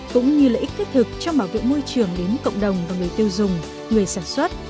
cũng như lợi ích thiết thực trong bảo vệ môi trường đến cộng đồng và người tiêu dùng người sản xuất